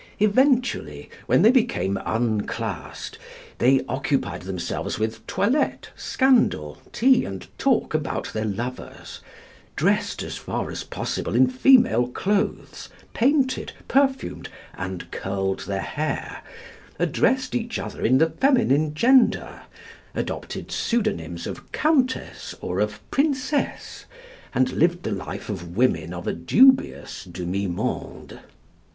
Eventually, when they became unclassed, they occupied themselves with toilette, scandal, tea, and talk about their lovers dressed as far as possible in female clothes, painted, perfumed and curled their hair addressed each other in the feminine gender, adopted pseudonyms of Countess or of Princess, and lived the life of women of a dubious demi monde.